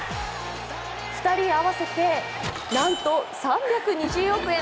２人合わせてなんと３２０億円。